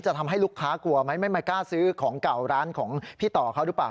ทำให้ลูกค้ากลัวไหมไม่มากล้าซื้อของเก่าร้านของพี่ต่อเขาหรือเปล่า